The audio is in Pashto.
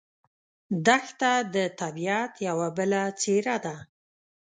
دښته د طبیعت یوه بله څېره ده.